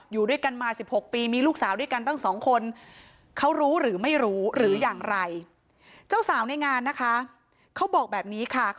อยู่ด้วยกันมา๑๖ปีมีลูกสาวด้วยกันตั้ง๒คน